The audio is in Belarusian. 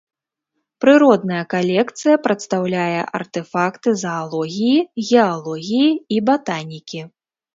Прыродная калекцыя прадстаўляе артэфакты заалогіі, геалогіі і батанікі.